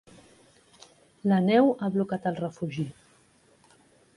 La neu ha blocat el refugi.